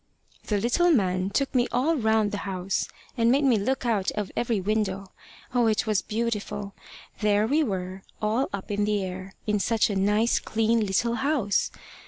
"The little man took me all round the house, and made me look out of every window. Oh, it was beautiful! There we were, all up in the air, in such a nice, clean little house!